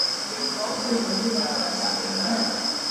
然后我们一个晚上就把它弄坏了